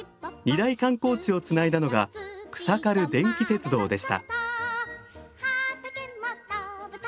２大観光地をつないだのが草軽電気鉄道でした。